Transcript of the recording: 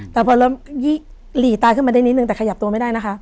แต่พอเริ่มหลีตาขึ้นมาได้นิดนึงแต่ขยับตัวไม่ได้นะคะ